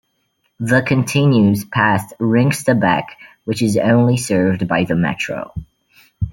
The continues past Ringstabekk, which is only served by the metro.